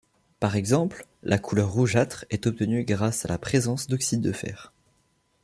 Par exemple, la couleur rougeâtre est obtenue grâce à la présence d'oxydes de fer.